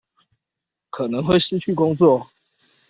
可能會失去工作